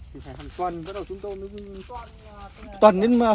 thì phải hàng tuần bây giờ chúng tôi mới